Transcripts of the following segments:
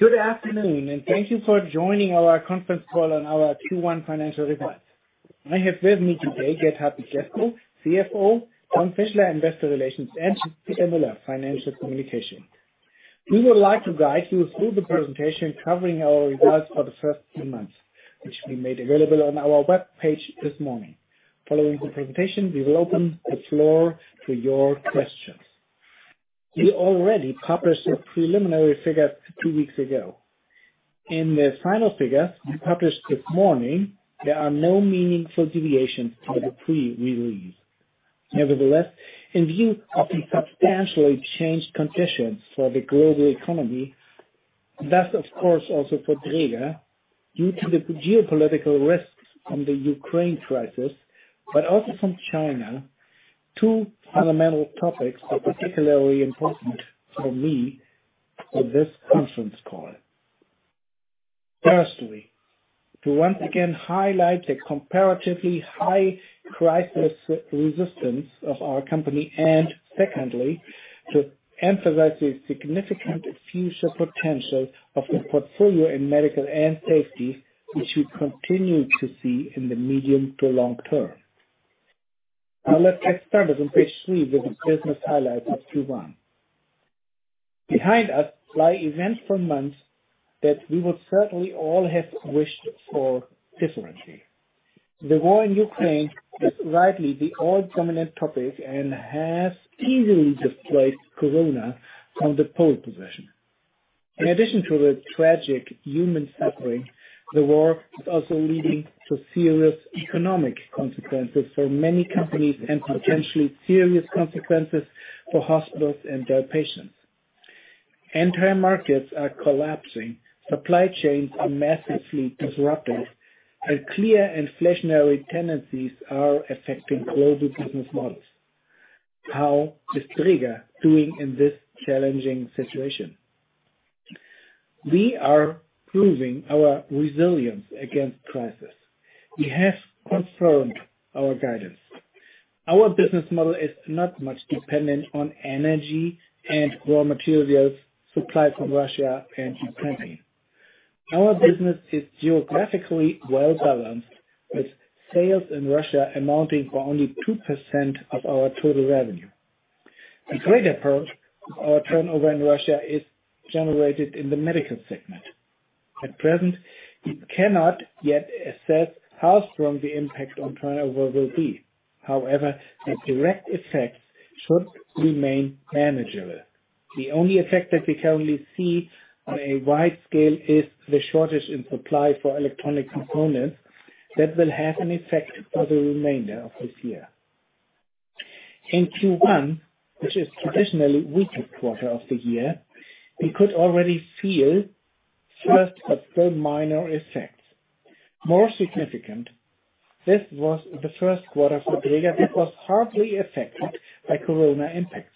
Good afternoon, and thank you for joining our conference call on our Q1 financial results. I have with me today Gert-Hartwig Lescow, CFO, Thomas Fischler, Investor Relations, and Peter Mueller, Financial Communication. We would like to guide you through the presentation covering our results for the first two months, which we made available on our web page this morning. Following the presentation, we will open the floor to your questions. We already published the preliminary figures two weeks ago. In the final figures we published this morning, there are no meaningful deviations to the pre-release. Nevertheless, in view of the substantially changed conditions for the global economy, that's of course also for Dräger, due to the geopolitical risks from the Ukraine crisis, but also from China, two fundamental topics are particularly important for me for this conference call. Firstly, to once again highlight the comparatively high crisis resistance of our company. Secondly, to emphasize the significant future potential of the portfolio in medical and safety, which we continue to see in the medium to long term. Now, let's get started on page 3 with the business highlights of Q1. Behind us lie events for months that we would certainly all have wished for differently. The war in Ukraine is rightly the all-dominant topic, and has easily displaced Corona from the pole position. In addition to the tragic human suffering, the war is also leading to serious economic consequences for many companies, and potentially serious consequences for hospitals and their patients. Entire markets are collapsing. Supply chains are massively disrupted. Clear inflationary tendencies are affecting global business models. How is Dräger doing in this challenging situation? We are proving our resilience against crisis. We have confirmed our guidance. Our business model is not much dependent on energy and raw materials supplied from Russia and Ukraine. Our business is geographically well-balanced, with sales in Russia amounting for only 2% of our total revenue. The greater part of our turnover in Russia is generated in the medical segment. At present, we cannot yet assess how strong the impact on turnover will be. However, the direct effects should remain manageable. The only effect that we currently see on a wide scale is the shortage in supply for electronic components that will have an effect for the remainder of this year. In Q1, which is traditionally weakest quarter of the year, we could already feel first, but very minor effects. More significant, this was the first quarter for Dräger that was hardly affected by Corona impacts.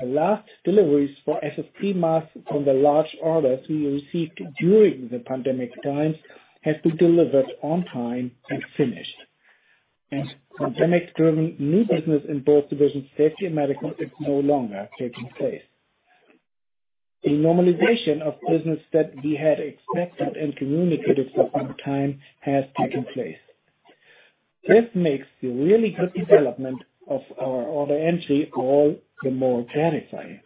The last deliveries for FFP masks from the large orders we received during the pandemic times had been delivered on time and finished. Pandemic-driven new business in both divisions, safety and medical, is no longer taking place. The normalization of business that we had expected and communicated some time has taken place. This makes the really good development of our order entry all the more gratifying.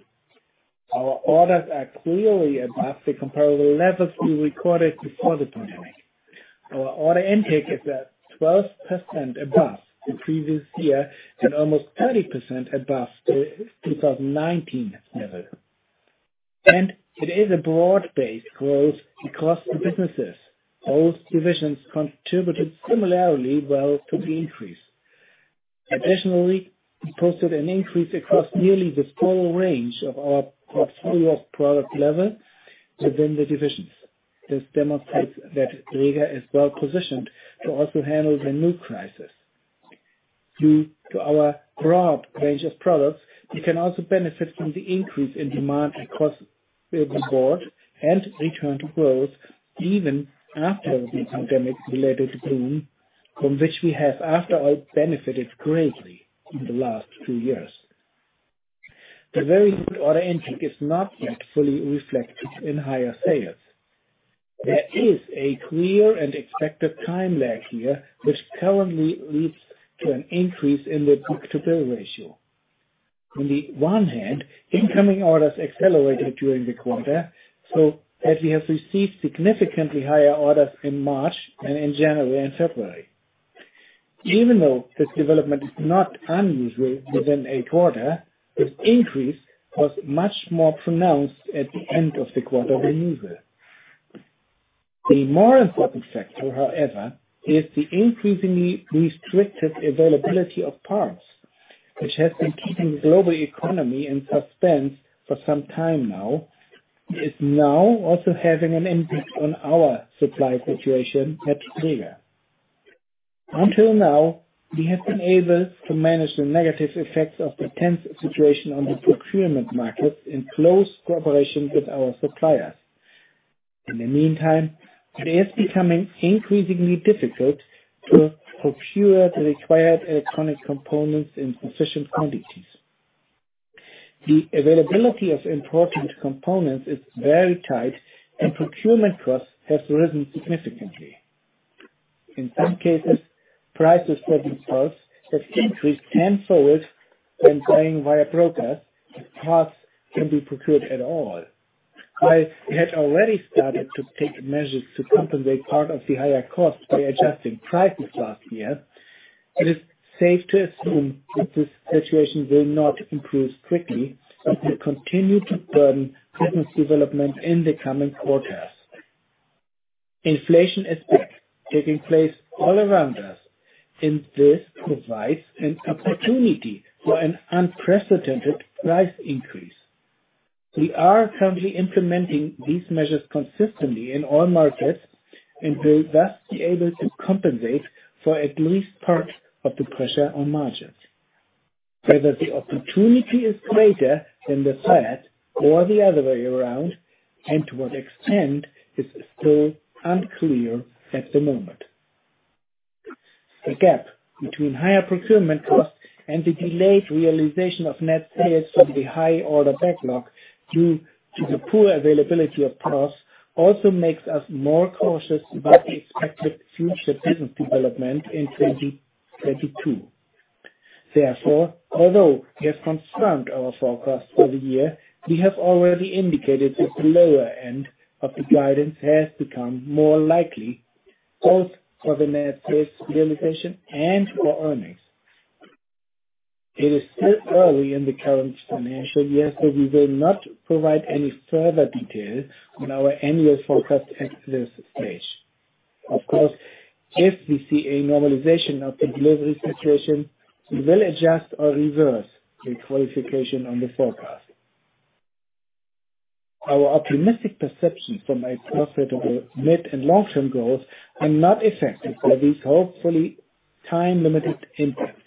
Our orders are clearly above the comparable levels we recorded before the pandemic. Our order intake is at 12% above the previous year, and almost 30% above the 2019 level. It is a broad-based growth across the businesses. Both divisions contributed similarly well to the increase. Additionally, we posted an increase across nearly the full range of our portfolio of product level within the divisions. This demonstrates that Dräger is well positioned to also handle the new crisis. Due to our broad range of products, we can also benefit from the increase in demand across the board and return to growth even after the pandemic-related boom, from which we have, after all, benefited greatly in the last two years. The very good order intake is not yet fully reflected in higher sales. There is a clear and expected time lag here, which currently leads to an increase in the book-to-bill ratio. On the one hand, incoming orders accelerated during the quarter, so that we have received significantly higher orders in March than in January and February. Even though this development is not unusual within a quarter, this increase was much more pronounced at the end of the quarter than usual. The more important factor, however, is the increasingly restricted availability of parts, which has been keeping the global economy in suspense for some time now, is now also having an impact on our supply situation at Dräger. Until now, we have been able to manage the negative effects of the tense situation on the procurement market in close cooperation with our suppliers. In the meantime, it is becoming increasingly difficult to procure the required electronic components in sufficient quantities. The availability of important components is very tight and procurement costs has risen significantly. In some cases, prices for these parts have increased tenfold when buying via broker, if parts can be procured at all. I had already started to take measures to compensate part of the higher cost by adjusting prices last year. It is safe to assume that this situation will not improve quickly, but will continue to burden business development in the coming quarters. Inflation is taking place all around us, and this provides an opportunity for an unprecedented price increase. We are currently implementing these measures consistently in all markets and will thus be able to compensate for at least part of the pressure on margins. Whether the opportunity is greater than the threat or the other way around and to what extent is still unclear at the moment. The gap between higher procurement costs and the delayed realization of net sales from the high order backlog due to the poor availability of parts also makes us more cautious about the expected future business development in 2022. Therefore, although we have confirmed our forecast for the year, we have already indicated that the lower end of the guidance has become more likely, both for the net sales realization and for earnings. It is still early in the current financial year, so we will not provide any further details on our annual forecast at this stage. Of course, if we see a normalization of the delivery situation, we will adjust or reverse the qualification on the forecast. Our optimistic perception for my profitable mid- and long-term goals are not affected by these hopefully time-limited impacts.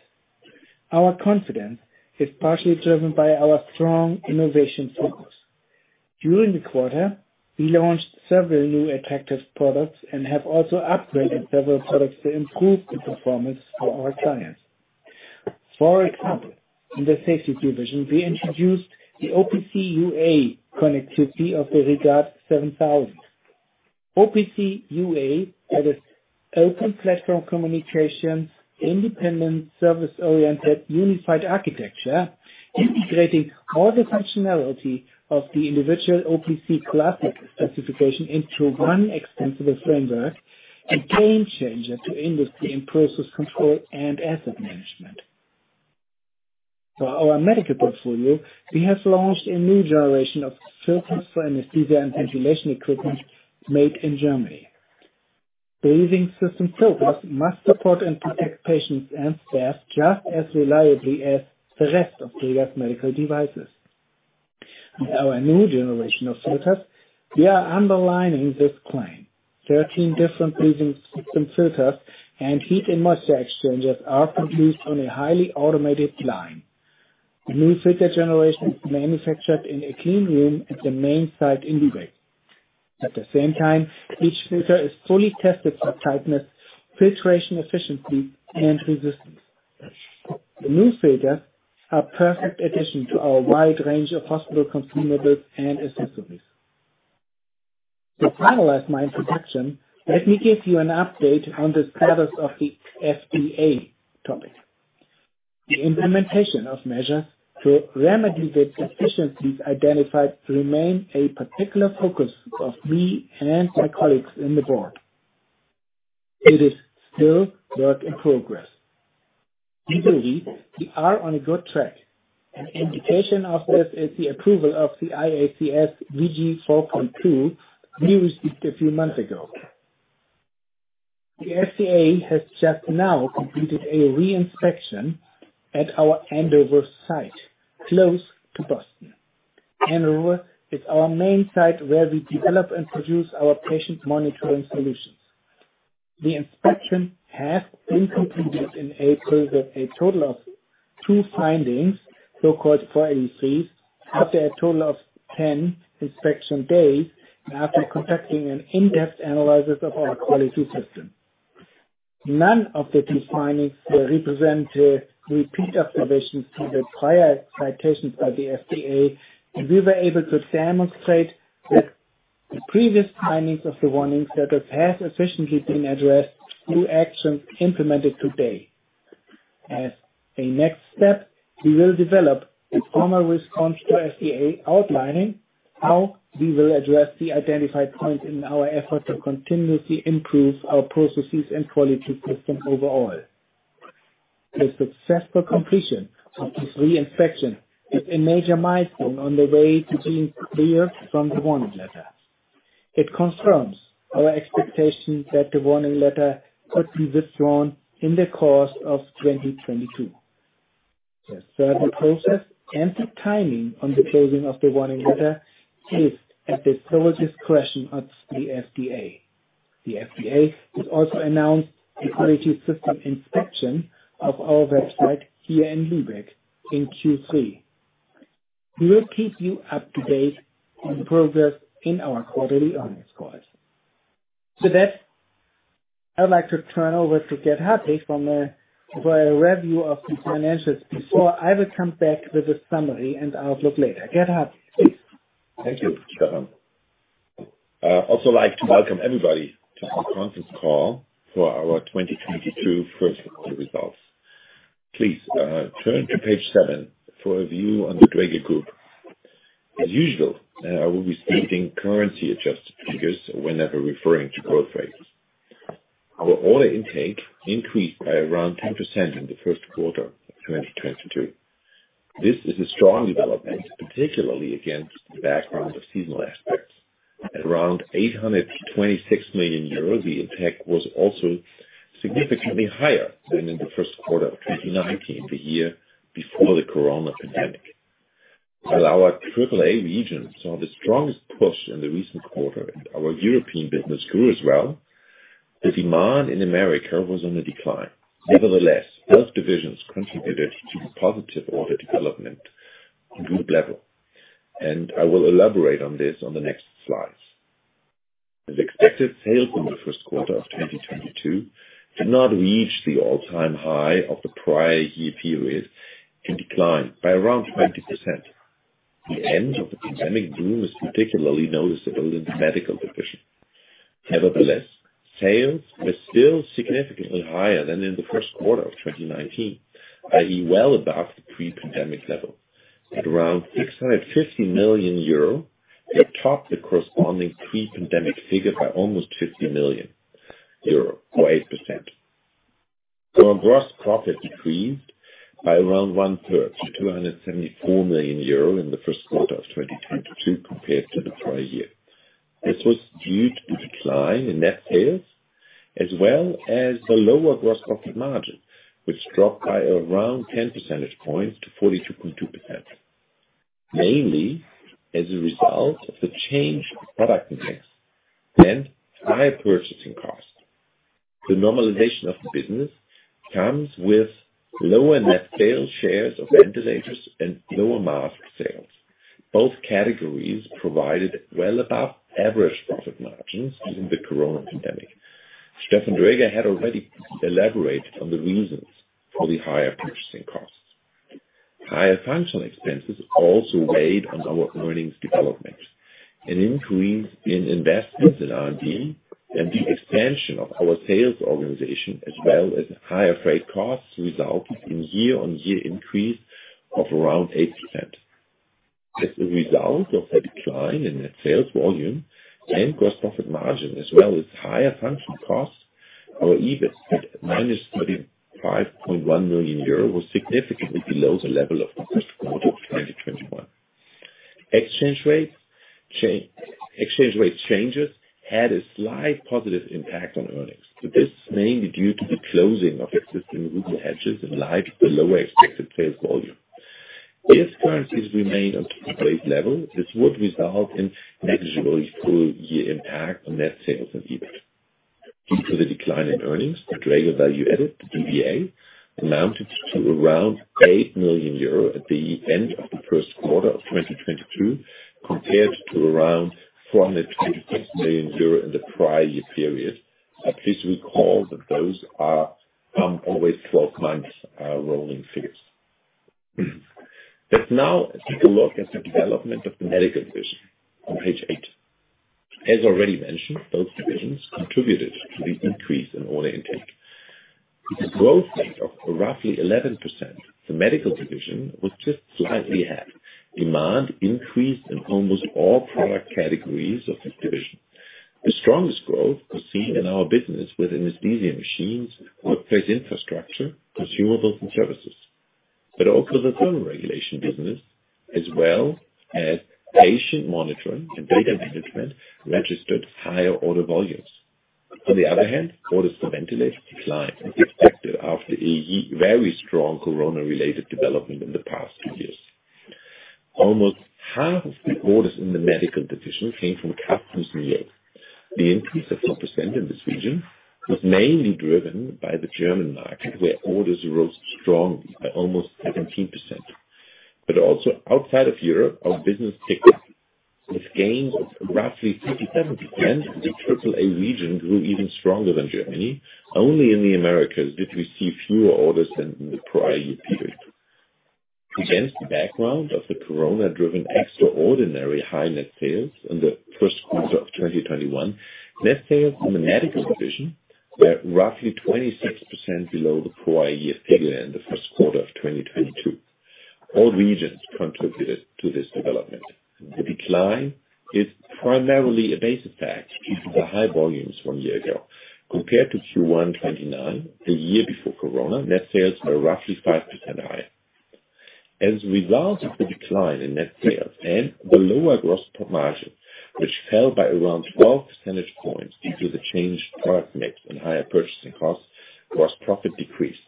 Our confidence is partially driven by our strong innovation focus. During the quarter, we launched several new attractive products and have also upgraded several products to improve the performance for our clients. For example, in the safety division, we introduced the OPC UA connectivity of the REGARD 7000. OPC UA, that is Open Platform Communications Unified Architecture, integrating all the functionality of the individual OPC classic specification into one extensible framework, a game changer to industry in process control and asset management. For our medical portfolio, we have launched a new generation of filters for anesthesia and ventilation equipment made in Germany. Breathing system filters must support and protect patients and staff just as reliably as the rest of Dräger's medical devices. Our new generation of filters, we are underlining this claim. 13 different breathing system filters and heat and moisture exchangers are produced on a highly automated line. The new filter generation is manufactured in a clean room at the main site in Lübeck. At the same time, each filter is fully tested for tightness, filtration efficiency, and resistance. The new filters are perfect addition to our wide range of hospital consumables and accessories. To finalize my introduction, let me give you an update on the status of the FDA topic. The implementation of measures to remedy the deficiencies identified remain a particular focus of me and my colleagues in the board. It is still work in progress. Recently, we are on a good track. An indication of this is the approval of the IACS VG 4.2 we received a few months ago. The FDA has just now completed a re-inspection at our Andover site, close to Boston. Andover is our main site where we develop and produce our patient monitoring solutions. The inspection has been completed in April with a total of two findings, so-called 483s, after a total of 10 inspection days after conducting an in-depth analysis of our quality system. None of the two findings represent a repeat observations to the prior citations by the FDA, and we were able to demonstrate that the previous findings of the Warning Letters have efficiently been addressed through actions implemented to date. As a next step, we will develop a formal response to FDA outlining how we will address the identified points in our effort to continuously improve our processes and quality system overall. The successful completion of this re-inspection is a major milestone on the way to being cleared from the Warning Letter. It confirms our expectation that the Warning Letter could be withdrawn in the course of 2022. The further process and the timing on the closing of the Warning Letter is at the sole discretion of the FDA. The FDA has also announced a quality system inspection of our site here in Lübeck in Q3. We will keep you up to date on progress in our quarterly earnings calls. With that, I'd like to turn over to Gert-Hartwig Lescow for a review of the financials before I will come back with a summary and outlook later. Gert-Hartwig, please. Thank you, Stefan. I'd also like to welcome everybody to our conference call for our 2022 first quarter results. Please, turn to page 7 for a view on the Dräger Group. As usual, I will be stating currency adjusted figures whenever referring to growth rates. Our order intake increased by around 10% in the first quarter of 2022. This is a strong development, particularly against the background of seasonal aspects. At around 826 million euros, the intake was also significantly higher than in the first quarter of 2019, the year before the corona pandemic. While our AAA region saw the strongest push in the recent quarter, our European business grew as well. The demand in America was on the decline. Nevertheless, both divisions contributed to positive order development on group level, and I will elaborate on this on the next slides. As expected, sales in the first quarter of 2022 did not reach the all-time high of the prior year period and declined by around 20%. The end of the pandemic boom is particularly noticeable in the medical division. Nevertheless, sales were still significantly higher than in the first quarter of 2019 i.e., well above the pre-pandemic level. At around 650 million euro, it topped the corresponding pre-pandemic figure by almost 50 million euro or 8%. Our gross profit decreased by around one-third to 274 million euro in the first quarter of 2022 compared to the prior year. This was due to the decline in net sales, as well as the lower gross profit margin, which dropped by around 10 percentage points to 42.2%, mainly as a result of the change of product mix and higher purchasing costs. The normalization of the business comes with lower net sales shares of ventilators and lower mask sales. Both categories provided well above average profit margins during the corona pandemic. Stefan Dräger had already elaborated on the reasons for the higher purchasing costs. Higher functional expenses also weighed on our earnings development. An increase in investments in R&D and the expansion of our sales organization, as well as higher freight costs, resulted in year-on-year increase of around 8%. As a result of a decline in net sales volume and gross profit margin, as well as higher functional costs, our EBIT at -35.1 million euro was significantly below the level of the first quarter of 2021. Exchange rate changes had a slight positive impact on earnings. This is mainly due to the closing of existing rupee hedges in light of the lower expected sales volume. If currencies remain on today's level, this would result in negligible full year impact on net sales and EBIT. Due to the decline in earnings, the Dräger Value Added, the DVA, amounted to around 8 million euro at the end of the first quarter of 2022, compared to around 426 million euro in the prior year period. Please recall that those are always 12 months rolling figures. Let's now take a look at the development of the medical division on page 8. As already mentioned, both divisions contributed to the increase in order intake. With a growth rate of roughly 11%, the medical division was just slightly half. Demand increased in almost all product categories of this division. The strongest growth was seen in our business with anesthesia machines, workplace infrastructure, consumables and services, but also the thermoregulation business, as well as patient monitoring and data management, registered higher order volumes. On the other hand, orders for ventilators declined as expected after a very strong corona-related development in the past two years. Almost half of the orders in the medical division came from customers in EU. The increase of 4% in this region was mainly driven by the German market, where orders rose strongly by almost 17%. Also outside of Europe, our business picked up with gains of roughly 57%. The AAA region grew even stronger than Germany. Only in the Americas did we see fewer orders than in the prior year period. Against the background of the corona-driven extraordinary high net sales in the first quarter of 2021, net sales in the medical division were roughly 26% below the prior year figure in the first quarter of 2022. All regions contributed to this development. The decline is primarily a base effect due to the high volumes from a year ago. Compared to Q1 2019, the year before corona, net sales are roughly 5% higher. As a result of the decline in net sales and the lower gross profit margin, which fell by around 12 percentage points due to the changed product mix and higher purchasing costs, gross profit decreased.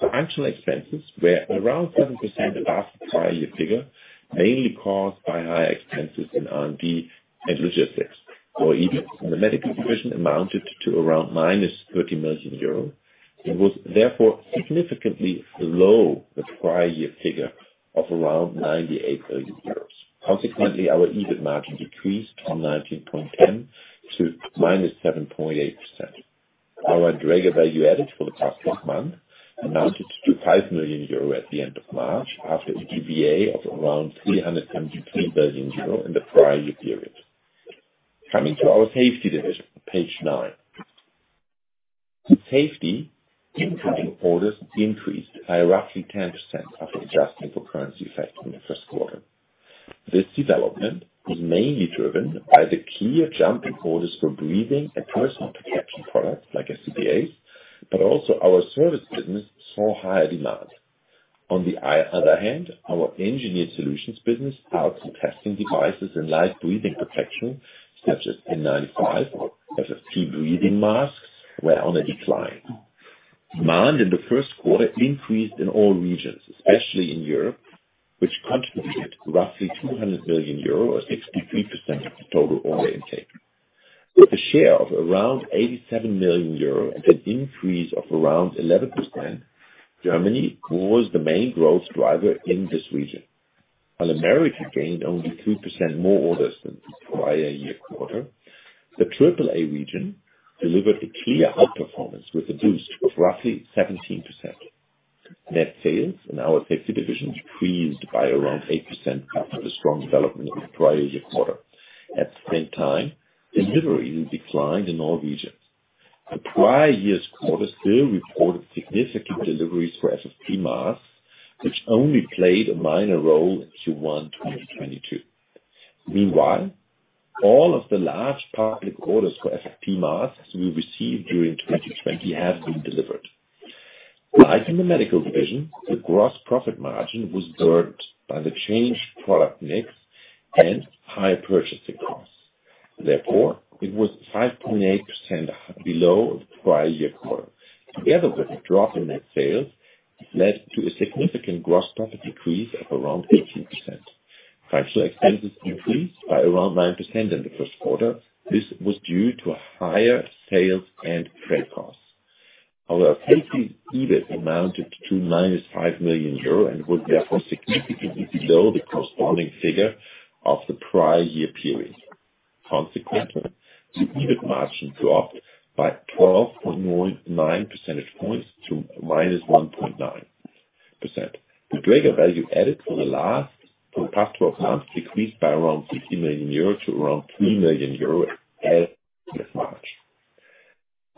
Functional expenses were around 7% above the prior year figure, mainly caused by higher expenses in R&D and logistics or EBIT. In the medical division amounted to around -30 million euros. It was therefore significantly below the prior year figure of around 98 million euros. Consequently, our EBIT margin decreased from 19.9% to -7.8%. Our Dräger Value Added for the past twelve months amounted to 5 million euro at the end of March, after a DVA of around 303 million euro in the prior year period. Coming to our safety division, page nine. Safety incoming orders increased by roughly 10% after adjusting for currency effect in the first quarter. This development was mainly driven by the clear jump in orders for breathing and personal protection products like SCBAs, but also our service business saw higher demand. On the other hand, our Engineered Solutions business, alcohol testing devices and light breathing protection, such as N95 or FFP breathing masks, were on a decline. Demand in the first quarter increased in all regions, especially in Europe, which contributed roughly 200 million euro or 63% of the total order intake. With a share of around 87 million euro and an increase of around 11%, Germany was the main growth driver in this region. While America gained only 2% more orders than the prior year quarter, the AAA region delivered a clear outperformance with a boost of roughly 17%. Net sales in our safety division decreased by around 8% after the strong development of the prior year quarter. At the same time, deliveries declined in all regions. The prior year's quarter still reported significant deliveries for FFP masks, which only played a minor role in Q1, 2022. Meanwhile, all of the large public orders for FFP masks we received during 2020 have been delivered. Like in the medical division, the gross profit margin was burdened by the changed product mix and higher purchasing costs. Therefore, it was 5.8% below the prior year quarter. Together with the drop in net sales, it led to a significant gross profit decrease of around 18%. Financial expenses increased by around 9% in the first quarter. This was due to higher sales and trade costs. Our safety EBIT amounted to -5 million euro and was therefore significantly below the corresponding figure of the prior year period. Consequently, the EBIT margin dropped by 12.9 percentage points to -1.9%. The Dräger Value Added for the past twelve months decreased by around 50 million euro to around 3 million euro as of March.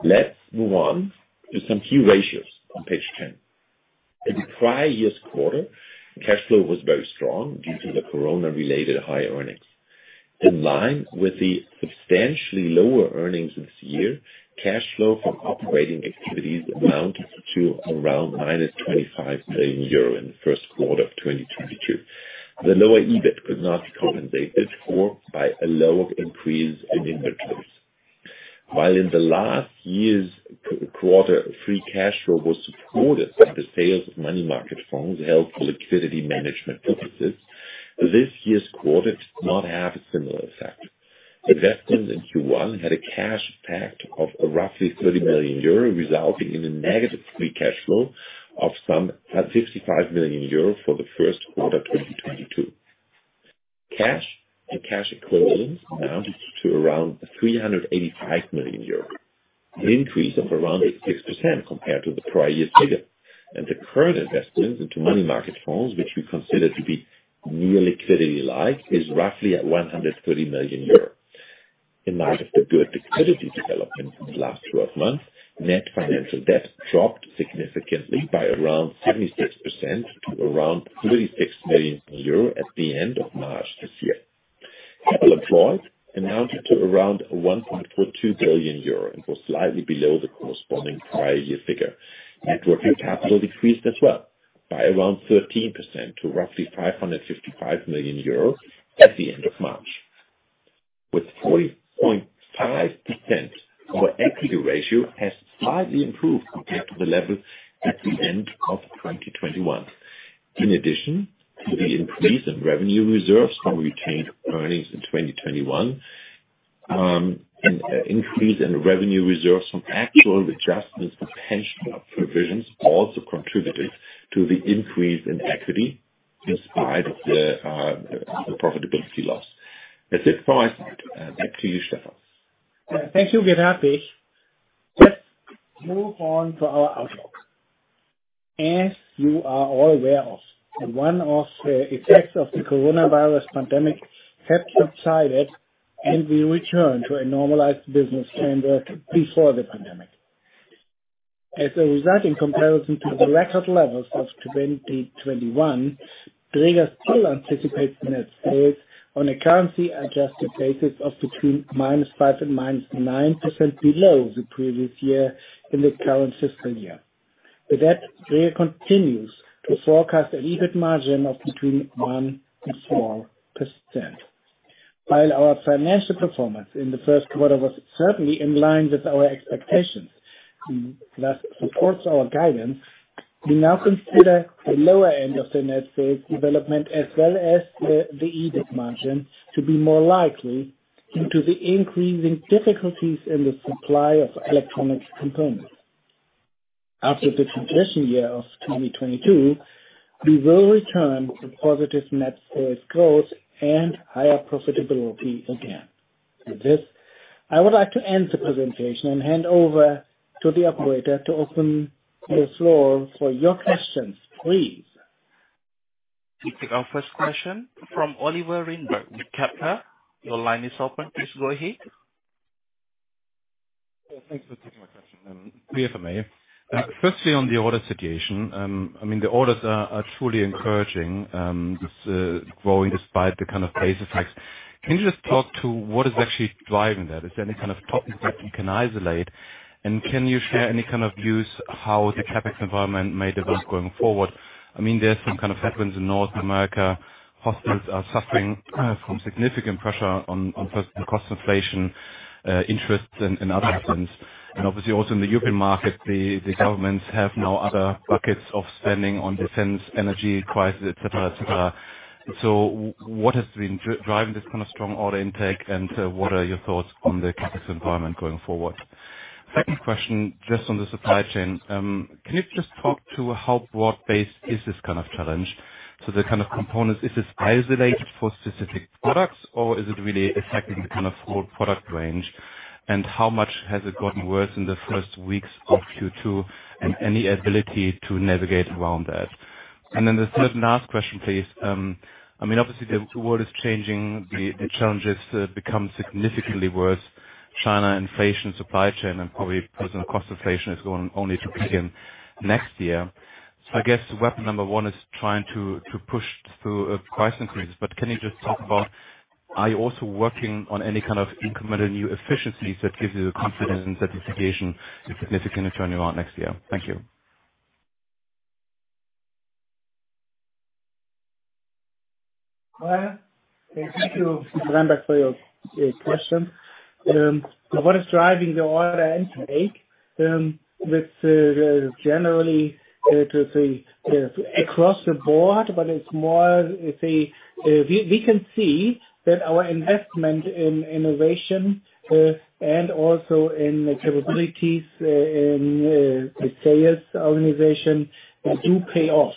Let's move on to some key ratios on page 10. In the prior year's quarter, cash flow was very strong due to the Corona-related high earnings. In line with the substantially lower earnings this year, cash flow from operating activities amounted to around -25 million euro in the first quarter of 2022. The lower EBIT could not be compensated for by a lower increase in inventories. While in the last year's quarter, free cash flow was supported by the sales of money market funds held for liquidity management purposes, this year's quarter did not have a similar effect. Investments in Q1 had a cash effect of roughly 30 million euro, resulting in a negative free cash flow of some 55 million euro for the first quarter 2022. Cash and cash equivalents amounted to around 385 million euros, an increase of around 8% compared to the prior year's figure. The current investments into money market funds, which we consider to be near liquidity-like, is roughly at 130 million euros. In light of the good liquidity development in the last twelve months, net financial debt dropped significantly by around 76% to around 36 million euro at the end of March this year. Capital employed amounted to around 1.42 billion euro and was slightly below the corresponding prior year figure. Net working capital decreased as well by around 13% to roughly 555 million euros at the end of March. With 40.5%, our equity ratio has slightly improved compared to the level at the end of 2021. In addition to the increase in revenue reserves from retained earnings in 2021, an increase in revenue reserves from actual adjustments to pension provisions also contributed to the increase in equity in spite of the profitability loss. That's it from my side. Back to you, Stefan. Thank you, Gert-Hartwig Lescow. Let's move on to our outlook. As you are all aware of, one of the effects of the coronavirus pandemic have subsided, and we return to a normalized business standard before the pandemic. As a result, in comparison to the record levels of 2021, Dräger still anticipates net sales on a currency adjusted basis of between -5% and -9% below the previous year in the current fiscal year. With that, Dräger continues to forecast an EBIT margin of between 1% and 4%. While our financial performance in the first quarter was certainly in line with our expectations, that supports our guidance. We now consider the lower end of the net sales development as well as the to be more likely due to the increasing difficulties in the supply of electronic components. After the transition year of 2022, we will return to positive net sales growth and higher profitability again. With this, I would like to end the presentation and hand over to the operator to open the floor for your questions, please. We take our first question from Oliver Reinberg with Kepler Cheuvreux. Your line is open. Please go ahead. Yeah, thanks for taking my question. Clear for me. Firstly on the order situation, I mean the orders are truly encouraging, just growing despite the kind of base effects. Can you just talk to what is actually driving that? Is there any kind of top effect you can isolate? Can you share any kind of views how the CapEx environment may develop going forward? I mean, there are some kind of headwinds in North America. Hospitals are suffering from significant pressure on cost inflation, interest and other items. Obviously also in the European market, the governments have now other buckets of spending on defense, energy crisis, et cetera, et cetera. What has been driving this kind of strong order intake, and what are your thoughts on the CapEx environment going forward? Second question, just on the supply chain. Can you just talk about how broad-based is this kind of challenge? The kind of components, is this isolated for specific products or is it really affecting the kind of whole product range? How much has it gotten worse in the first weeks of Q2 and any ability to navigate around that? Then the third and last question please. I mean, obviously the world is changing. The challenges have become significantly worse. China inflation, supply chain, and probably personnel cost inflation is going only to begin next year. I guess weapon number one is trying to push through price increases. Can you just talk about, are you also working on any kind of incremental new efficiencies that gives you the confidence that the situation will significantly turn around next year? Thank you. Well, thank you, Oliver, for your question. What is driving the order intake? That's generally to say across the board, but it's more, let's say, we can see that our investment in innovation and also in capabilities in the sales organization do pay off.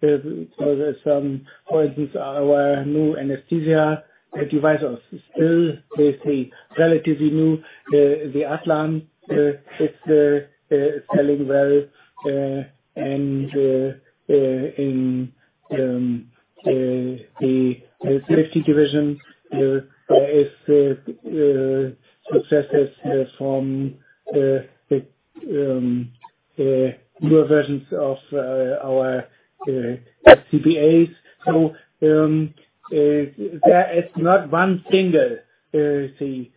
There's some, for instance, our new anesthesia device is still, let's say, relatively new. The Atlan, it's selling well. And in the safety division, successes from newer versions of our SCBAs. There is not one single, say,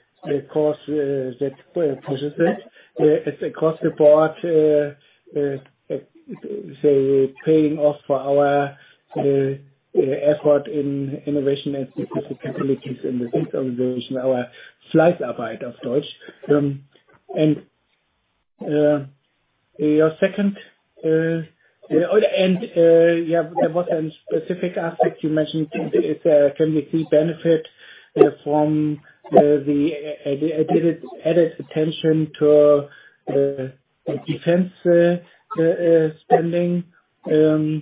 cause that pushes it. It's across the board, say, paying off for our effort in innovation and specific capabilities in the organization, of course. Your second, what specific aspect you mentioned, if we can see benefit from the added attention to defense spending. We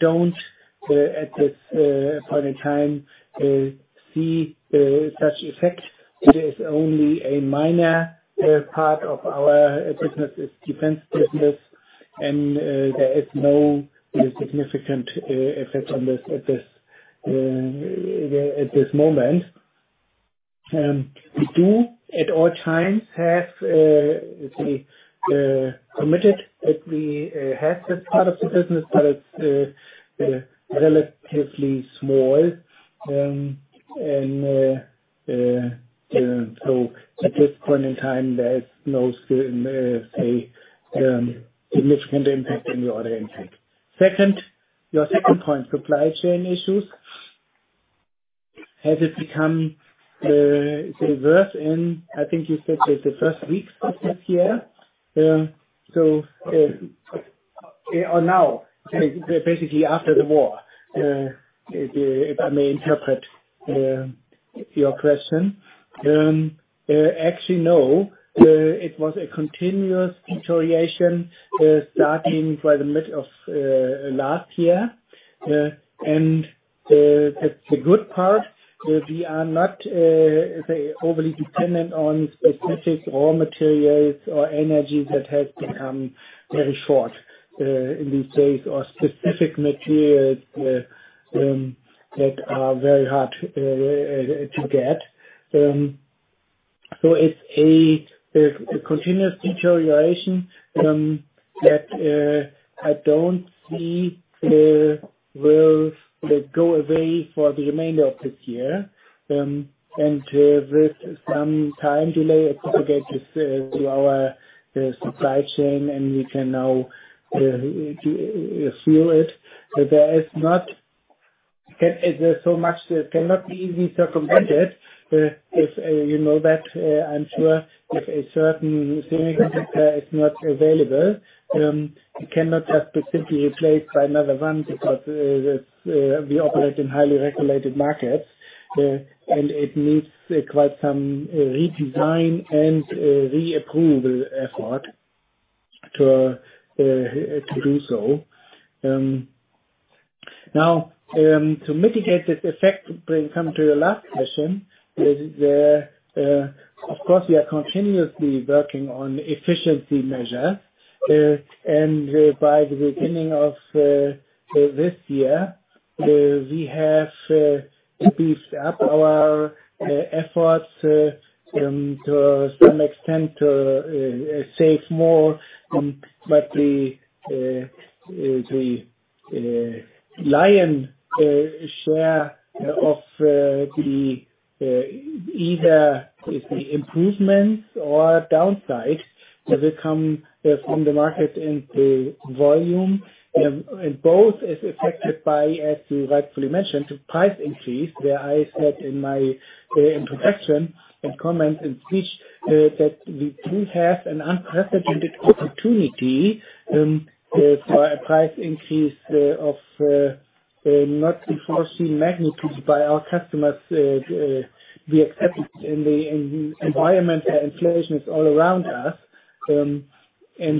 don't at this point in time see such effect. It is only a minor part of our business's defense business, and there is no significant effect on this at this moment. We do at all times have, let's say, committed that we have this part of the business, but it's relatively small. So at this point in time, there's no significant impact on the order intake. Second, your second point, supply chain issues. Has it become, let's say, worse in, I think you said, the first weeks of this year? Or now, basically after the war, if I may interpret, your question. Actually, no. It was a continuous deterioration, starting by the mid of last year. The good part, we are not, let's say, overly dependent on specific raw materials or energy that has become very short, in these days, or specific materials, that are very hard, to get. It's a continuous deterioration, that I don't see will go away for the remainder of this year, and with some time delay propagate this to our supply chain, and we can now feel it. There is so much that cannot be easily circumvented. If you know that, I'm sure if a certain semiconductor is not available, it cannot just be simply replaced by another one because we operate in highly regulated markets. It needs quite some redesign and reapproval effort to do so. Now, to mitigate this effect, we come to the last question. Of course, we are continuously working on efficiency measure. By the beginning of this year, we have beefed up our efforts to some extent to save more. The lion's share of the improvements or downside will come from the market and the volume. Both is affected by, as you rightfully mentioned, price increase, where I said in my introduction and comment and speech, that we do have an unprecedented opportunity for a price increase of a not before seen magnitude by our customers. We expect in the environment that inflation is all around us, and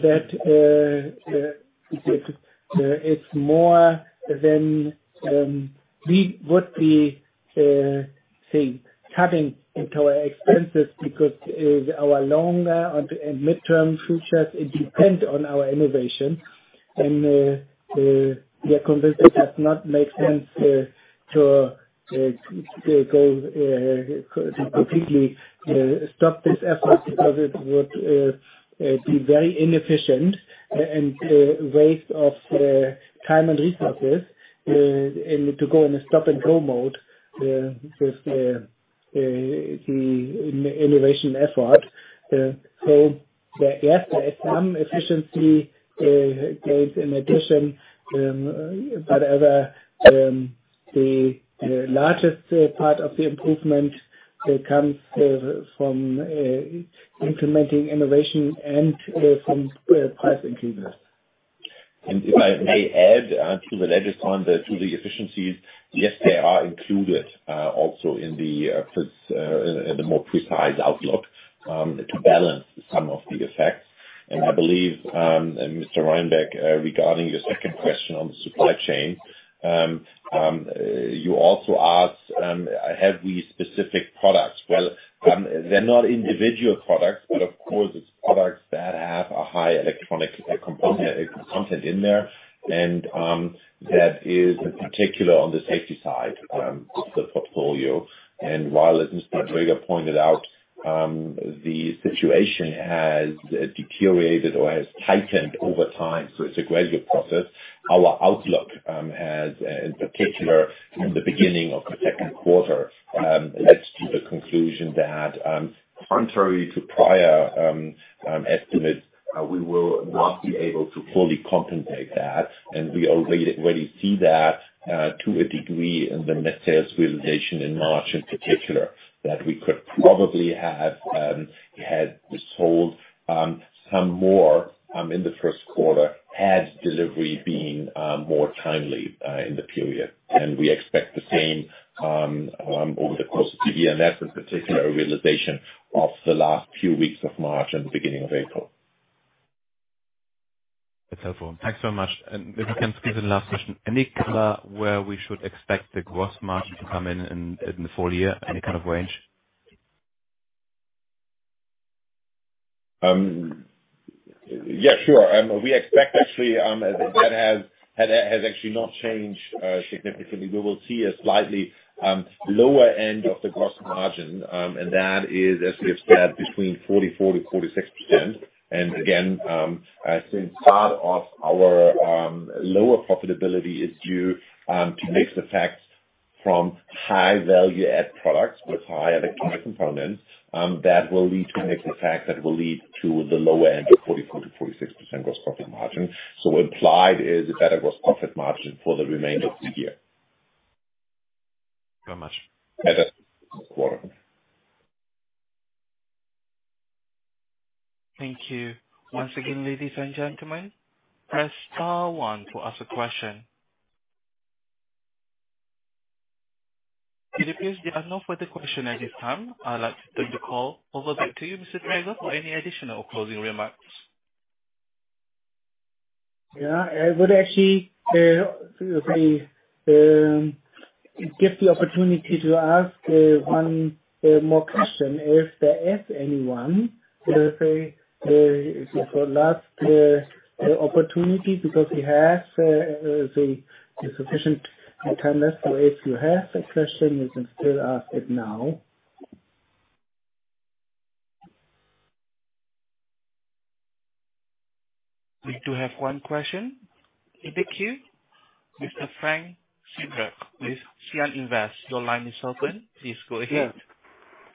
that it's more than we would be say cutting into our expenses because our long and midterm futures it depends on our innovation. We are convinced it does not make sense to completely stop this effort because it would be very inefficient and a waste of time and resources, and to go in a stop-and-go mode with the innovation effort. Yes, there is some efficiency gained in addition. However, the largest part of the improvement comes from implementing innovation and from price increases. If I may add to the efficiencies. Yes, they are included also in the more precise outlook to balance some of the effects. I believe Mr. Reinberg, regarding your second question on supply chain, you also asked, have we specific products? Well, they're not individual products, but of course it's products that have a high electronic component content in there. That is particular on the safety side of the portfolio. While, as Mr. Dräger pointed out, the situation has deteriorated or has tightened over time, so it's a gradual process. Our outlook has in particular in the beginning of the second quarter led to the conclusion that contrary to prior estimates we will not be able to fully compensate that. We already see that to a degree in the net sales realization in March in particular. That we could probably have had sold some more in the first quarter had delivery been more timely in the period. We expect the same over the course of the year and that's in particular realization of the last few weeks of March and the beginning of April. That's helpful. Thanks so much. If we can squeeze in the last question. Any color where we should expect the gross margin to come in in the full year? Any kind of range? Yeah, sure. We expect actually that has actually not changed significantly. We will see a slightly lower end of the gross margin, and that is, as we have said, between 44%-46%. Again, I think part of our lower profitability is due to mix effects from high value add products with high electronic components, that will lead to a mix effect that will lead to the lower end of 44%-46% gross profit margin. Implied is a better gross profit margin for the remainder of the year. Thank you so much. Yeah, that's in quarter. Thank you. Once again, ladies and gentlemen, press star one to ask a question. It appears there are no further questions at this time. I'd like to turn the call over back to you, Mr. Dräger, for any additional closing remarks. Yeah. I would actually say give the opportunity to ask one more question if there is anyone. Say it's your last opportunity because we have the sufficient timelines, so if you have a question, you can still ask it now. We do have one question in the queue. Mr. Frank Siebrecht with Cyan Invest. Your line is open. Please go ahead.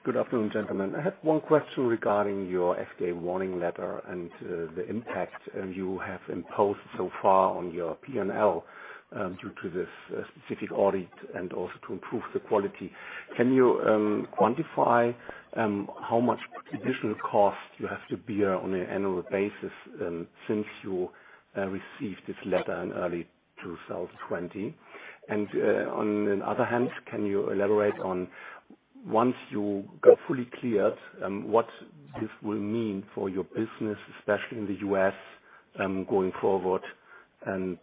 Good afternoon, gentlemen. I had one question regarding your FDA Warning Letter and the impact you have imposed so far on your P&L due to this specific audit and also to improve the quality. Can you quantify how much additional cost you have to bear on an annual basis since you received this letter in early 2020? On other hand, can you elaborate on once you got fully cleared what this will mean for your business, especially in the U.S., going forward, and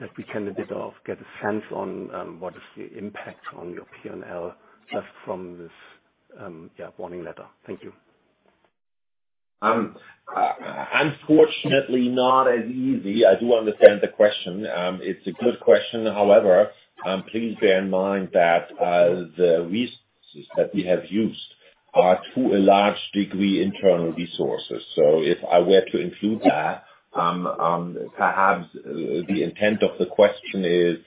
that we can a bit of get a sense on what is the impact on your P&L just from this warning letter. Thank you. Unfortunately not as easy. I do understand the question. It's a good question. However, please bear in mind that the resources that we have used are, to a large degree, internal resources. So if I were to include that, perhaps the intent of the question is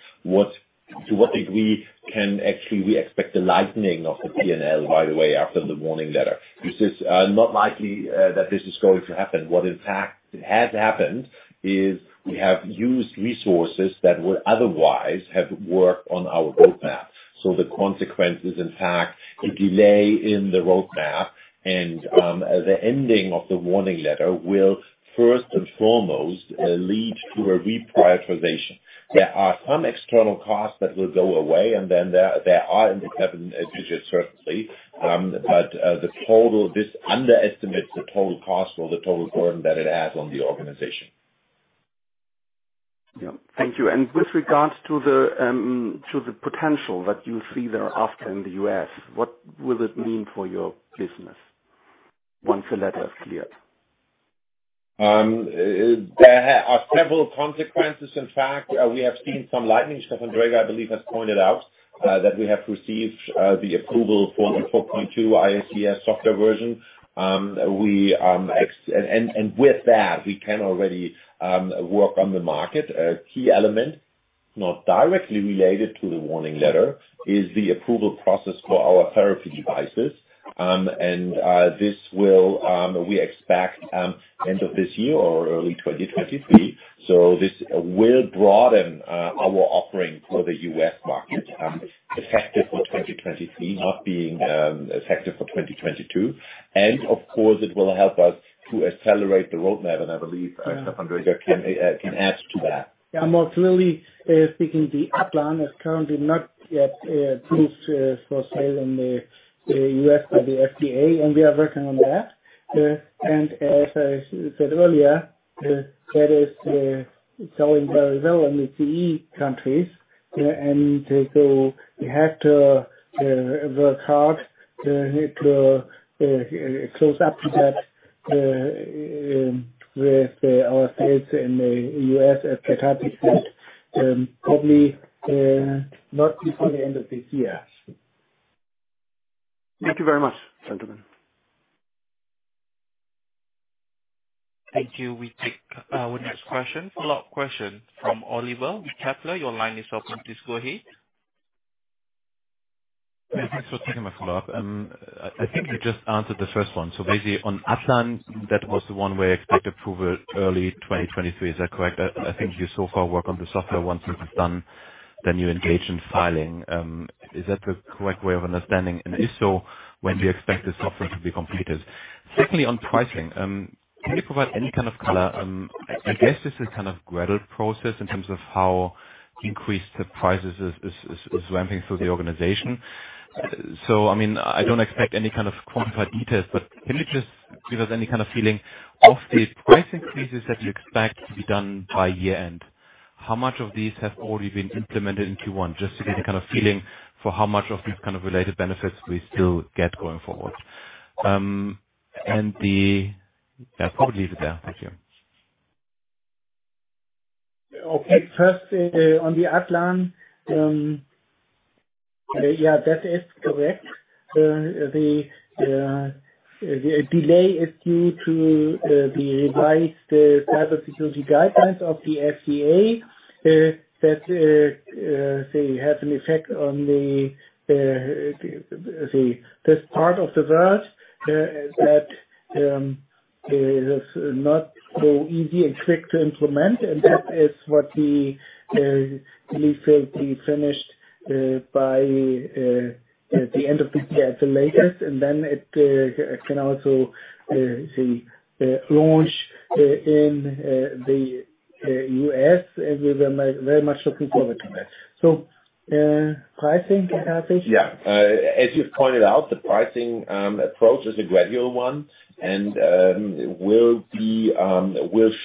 to what degree can actually we expect a lightening of the P&L right away after the Warning Letter. This is not likely that this is going to happen. What in fact has happened is we have used resources that would otherwise have worked on our roadmap. So the consequences, in fact, a delay in the roadmap and the ending of the Warning Letter will first and foremost lead to a reprioritization. There are some external costs that will go away, and then there are in the seven digits, certainly. This underestimates the total cost or the total burden that it has on the organization. Yeah. Thank you. With regards to the potential that you see thereafter in the U.S., what will it mean for your business once the letter is cleared? There are several consequences. In fact, we have seen some licensing. Stefan Dräger, I believe, has pointed out that we have received the approval for the 4.2 ICS software version. With that, we can already work on the market. A key element not directly related to the Warning Letter is the approval process for our therapy devices. This will, we expect, end of this year or early 2023. This will broaden our offering for the U.S. market, effective for 2023, not being effective for 2022. Of course it will help us to accelerate the roadmap. I believe Stefan Dräger can add to that. Yeah. Most clearly speaking, it is currently not yet approved for sale in the US by the FDA, and we are working on that. As I said earlier, that is selling very well in the CE countries, and so we have to work hard to catch up to that with our sales in the US as Gert-Hartwig said, probably not before the end of this year. Thank you very much, gentlemen. Thank you. We take our next question, follow-up question from Oliver Reinberg with Kepler Cheuvreux. Your line is open. Please go ahead. Yes, thanks for taking my follow-up. I think you just answered the first one. Basically on IACS, that was the one where you expect approval early 2023. Is that correct? I think you so far work on the software. Once it is done, then you engage in filing. Is that the correct way of understanding? If so, when do you expect the software to be completed? Secondly, on pricing, can you provide any kind of color? I guess it's a kind of gradual process in terms of how the price increases are ramping through the organization. I mean, I don't expect any kind of quantified details, but can you just give us any kind of feeling of the price increases that you expect to be done by year-end? How much of these have already been implemented in Q-one? Just to get a kind of feeling for how much of these kind of related benefits we still get going forward. I'll probably leave it there. Thank you. Okay. First, on the, [inaudible] that is correct. The delay is due to the revised cybersecurity guidelines of the FDA that has an effect on this part of the world that is not so easy and quick to implement. That is what we feel to be finished by the end of the year at the latest. Then it can also launch in the US, and we were very much looking forward to that. Pricing, Gert-Hartwig? Yeah. As you've pointed out, the pricing approach is a gradual one and will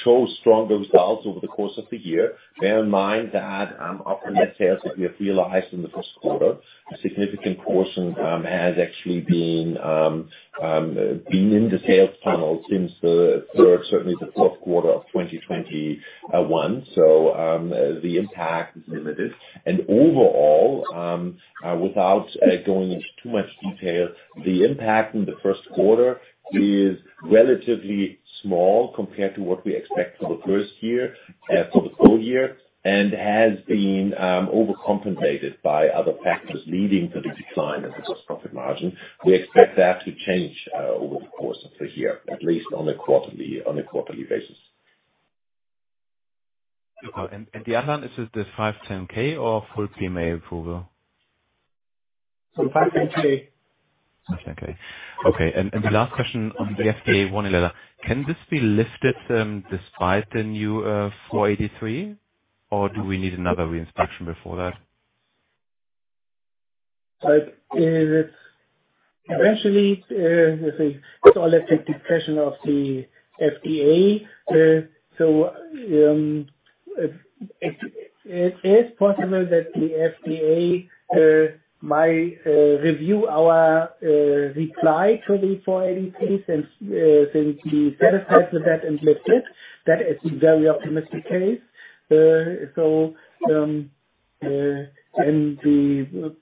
show stronger results over the course of the year. Bear in mind that of the net sales that we have realized in the first quarter, a significant portion has actually been in the sales funnel since the third, certainly the fourth quarter of 2021. The impact is limited. Overall, without going into too much detail, the impact in the first quarter is relatively small compared to what we expect for the full year, and has been overcompensated by other factors leading to the decline in the gross profit margin. We expect that to change over the course of the year, at least on a quarterly basis. The other one, is it the 510(k) or full PMA approval? 510(k). 510(k). Okay. The last question on the FDA warning letter. Can this be lifted, despite the new 483 or do we need another re-inspection before that? Like, it is eventually, let's say, it's all at the discretion of the FDA. It is possible that the FDA might review our reply to the 483 since we satisfied with that and lift it. That is the very optimistic case. The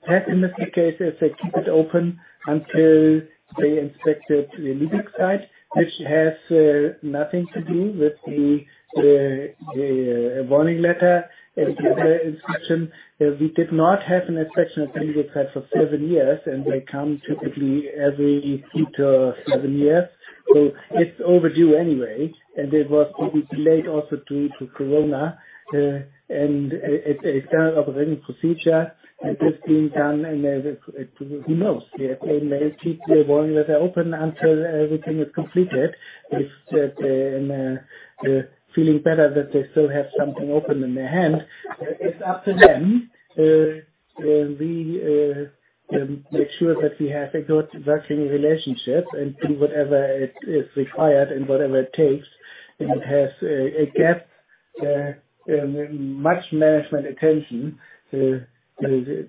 pessimistic case is they keep it open until they inspect the Lübeck site, which has nothing to do with the Warning Letter and the other inspection. We did not have an inspection at Lübeck site for seven years, and they come typically every two to seven years. It is overdue anyway, and it was delayed also due to corona. It is kind of a running procedure, and it is being done, who knows? The FDA may keep the Warning Letter open until everything is completed. If that and feeling better that they still have something open in their hand. It's up to them. We make sure that we have a good working relationship and do whatever is required and whatever it takes. It has got much management attention to do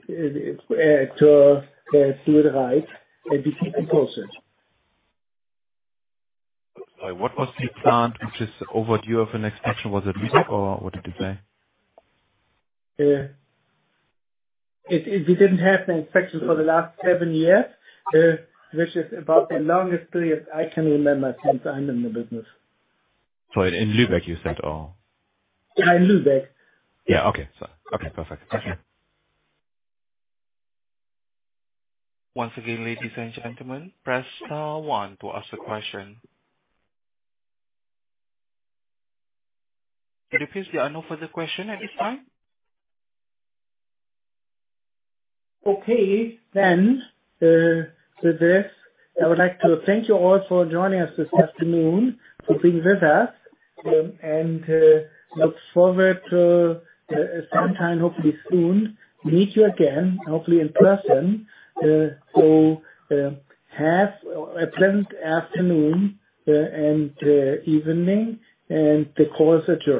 it right and to keep it closed. Sorry, what was the plant which is overdue of inspection? Was it Lübeck or what did you say? It didn't have an inspection for the last seven years, which is about the longest period I can remember since I'm in the business. Sorry, in Lübeck you said or? Yeah, in Lübeck. Yeah. Okay. Sorry. Okay, perfect. Thank you. Once again, ladies and gentlemen, press star one to ask a question. It appears there are no further question at this time. Okay. With this, I would like to thank you all for joining us this afternoon, for being with us, and look forward to sometime, hopefully soon, meet you again, hopefully in person. Have a pleasant afternoon, and evening, and the call is adjourned.